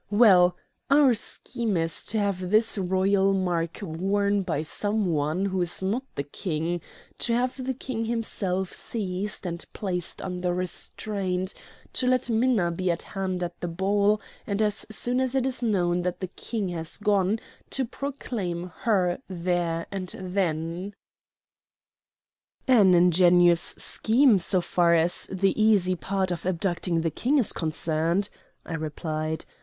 Well, our scheme is to have this royal mark worn by some one who is not the King; to have the King himself seized and placed under restraint; to let Minna be at hand at the ball, and as soon as it is known that the King has gone to proclaim her there and then." "An ingenious scheme, so far as the easy part of abducting the King is concerned," I replied.